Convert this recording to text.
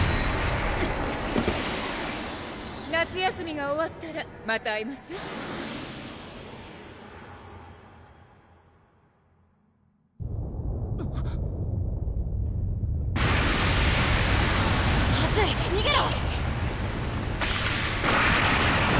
夏休みが終わったらまた会いましょう・・まずいにげろ！